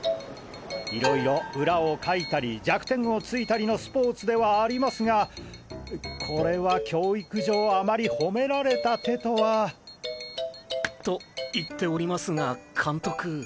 色々裏をかいたり弱点をついたりのスポーツではありますがこれは教育上あまりほめられた手とは。と言っておりますが監督。